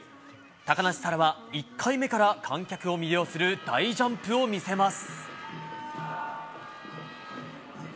高梨沙羅は１回目から観客を魅了する大ジャンプを見せます。